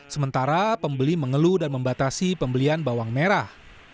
sementara pembeli mengeluh dan membatasi pembelian bawang merah